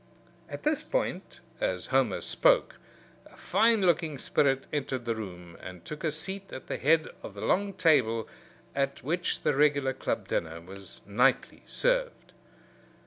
At this point, as Homer spoke, a fine looking spirit entered the room, and took a seat at the head of the long table at which the regular club dinner was nightly served.